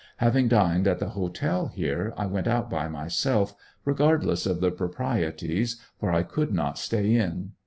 Having dined at the hotel here, I went out by myself; regardless of the proprieties, for I could not stay in.